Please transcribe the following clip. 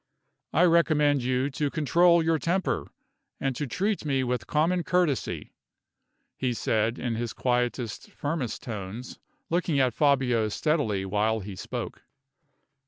"I recommend you to control your temper, and to treat me with common courtesy," he said, in his quietest, firmest tones, looking at Fabio steadily while he spoke.